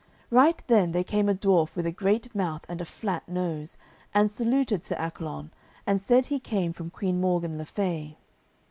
Right then there came a dwarf with a great mouth and a flat nose, and saluted Sir Accolon and said he came from Queen Morgan le Fay.